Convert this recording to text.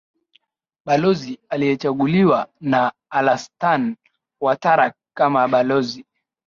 balozi aliyechaguliwa na alastan watarak kama balozi